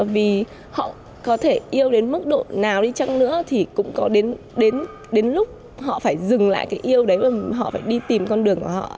vì họ có thể yêu đến mức độ nào đi chăng nữa thì cũng có đến lúc họ phải dừng lại cái yêu đấy và họ phải đi tìm con đường của họ